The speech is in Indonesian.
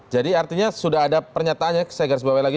jadi artinya sudah ada pernyataan ya saya garis bawah lagi